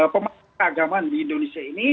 pemakai keagamaan di indonesia ini